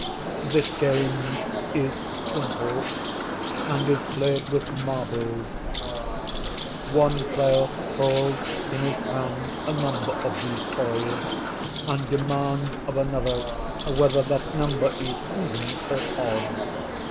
This game is simple, and is played with marbles. One player holds in his hand a number of these toys, and demands of another whether that number is even or odd.